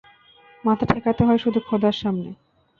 মাথা ঠেকাতে হয় শুধু খোদার সামনে।